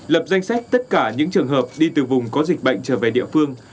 lập danh sách tất cả những trường hợp đi từ vùng có dịch bệnh trở về địa phương